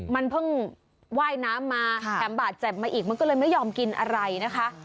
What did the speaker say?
มันเพิ่งว่ายน้ำมาแถมบาดเจ็บมาอีกมันก็เลยไม่ยอมกินอะไรนะคะ